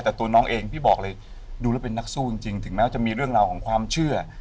แต่ตัวน้องเองพี่บอกเลยดูแล้วเป็นนักสู้จริงถึงแม้จะมีเรื่องราวของความเชื่อ